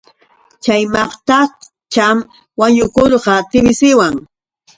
Chay maqtacham wañukurqa TBCwan.